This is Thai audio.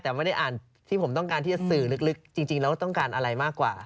แต่ไม่ได้อ่านที่ผมต้องการที่จะสื่อลึกจริงแล้วต้องการอะไรมากกว่า